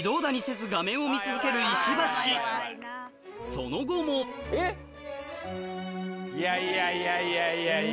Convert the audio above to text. その後もいやいやいやいや。